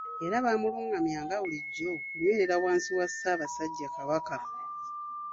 Era baamulungamyanga bulijjo okunywerera wansi wa Ssaabasajja Kabaka.